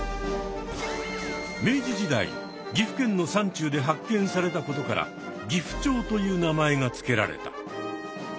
明治時代岐阜県の山中で発見されたことからギフチョウという名前が付けられた。